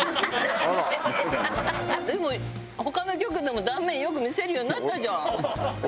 でも他の局でも断面よく見せるようになったじゃん。